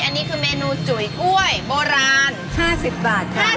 อันนี้คือเมนูจุ๋ยกล้วยโบราณ๕๐บาทค่ะ